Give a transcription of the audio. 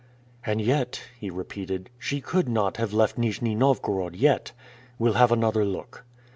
"And yet," he repeated, "she could not have left Nijni Novgorod yet. We'll have another look."